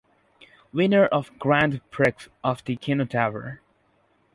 Winner of Grand Prix of the Kinotavr.